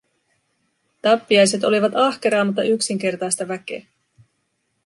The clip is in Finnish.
Tappiaiset olivat ahkeraa, mutta yksinkertaista väkeä.